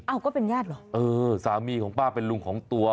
ก็เป็นญาติเหรอเออสามีของป้าเป็นลุงของตัว